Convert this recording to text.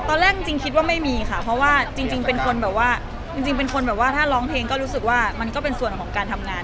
ตอนแรกจริงคิดว่าไม่มีค่ะเพราะว่าจริงเป็นคนแบบว่าจริงเป็นคนแบบว่าถ้าร้องเพลงก็รู้สึกว่ามันก็เป็นส่วนของการทำงาน